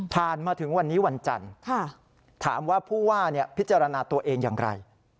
มาถึงวันนี้วันจันทร์ถามว่าผู้ว่าพิจารณาตัวเองอย่างไร